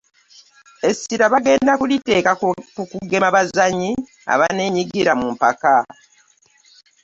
Essira bagenda kuliteeka ku kugema abazannyi abaneenyigira mu mpaka